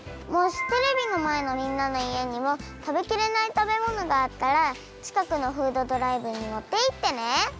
もしテレビのまえのみんなのいえにも食べきれない食べ物があったらちかくのフードドライブに持っていってね。